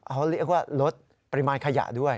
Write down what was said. เขาเรียกว่าลดปริมาณขยะด้วย